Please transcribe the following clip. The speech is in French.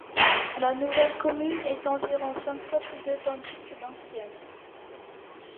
La nouvelle commune est environ cinq fois plus étendue que l'ancienne.